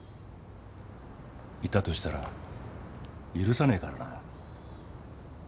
いたとしたら許さねえからな。